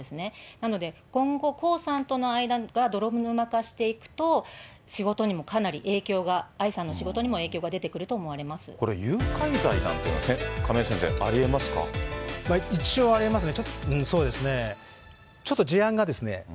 なので、今後、江さんとの間が泥沼化していくと、仕事にもかなり影響が、愛さんの仕事にも影響がこれ、誘拐罪なんてのは、亀一応、ありえますね。